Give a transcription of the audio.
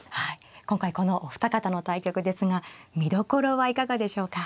今回このお二方の対局ですが見どころはいかがでしょうか。